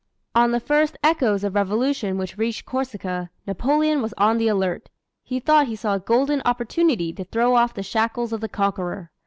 On the first echoes of Revolution which reached Corsica, Napoleon was on the alert. He thought he saw a golden opportunity to throw off the shackles of the conqueror.